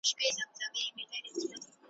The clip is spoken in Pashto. نښانې یې د خپل مرګ پکښي لیدلي `